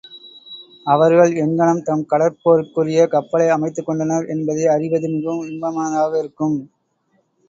அவர்கள் எங்ஙனம் தம் கட்ற்போருக்குரிய கப்பலை அமைத்துக் கொண்டனர் என்பதை அறிவது மிகவும் இன்பமானதாக இருக்கும்.